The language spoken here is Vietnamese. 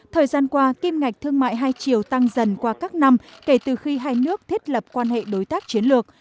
thời gian qua kim ngạch thương mại hai chiều tăng dần qua các năm kể từ khi hai nước thiết lập quan hệ đối tác chiến lược